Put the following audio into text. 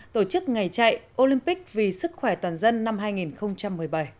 tổ chức ngày chạy olympic vì sức khỏe toàn dân năm hai nghìn một mươi bảy